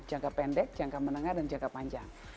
jangka pendek jangka menengah dan jangka panjang